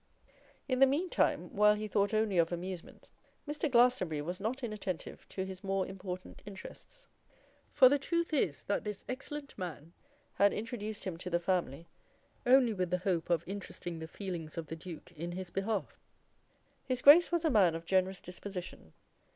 In the meantime, while he thought only of amusement, Mr. Glastonbury was not inattentive to his more important interests; for the truth is that this excellent man had introduced him to the family only with the hope of interesting the feelings of the Duke in his behalf. His Grace was a man of a generous disposition.